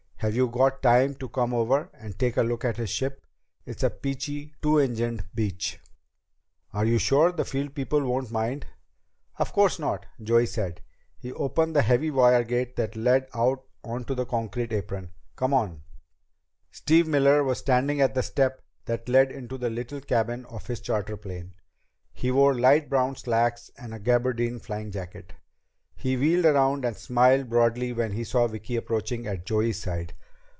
Have you got time to come over and take a look at his ship? It's a peachy two engined Beech." "Are you sure the field people won't mind?" "Of course not," Joey said. He opened the heavy wire gate that led out onto the concrete apron. "Come on." Steve Miller was standing at the step that led into the little cabin of his charter plane. He wore light brown slacks and a gabardine flying jacket. He wheeled around and smiled broadly when he saw Vicki approaching at Joey's side.